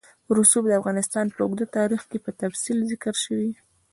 رسوب د افغانستان په اوږده تاریخ کې په تفصیل ذکر شوی.